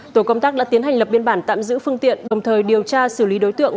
tổ công tác đã tiến hành lập biên bản tạm giữ phương tiện đồng thời điều tra xử lý đối tượng